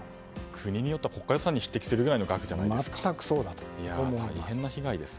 国によっては国家予算に匹敵するぐらいの全くそうだと思います。